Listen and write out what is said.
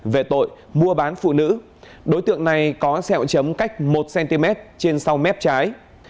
về tội mua bán phụ nữ đối tượng này có sẹo chấm cách một cm trên sau mép trái